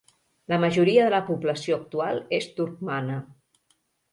La majoria de la població actual és turcmana.